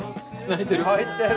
泣いてる！